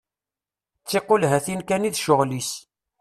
D tiqulhatin kan i d ccɣel-is.